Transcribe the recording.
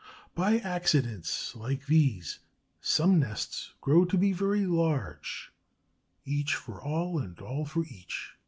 By accidents like these some nests grow to be very large. Each for all and all for each.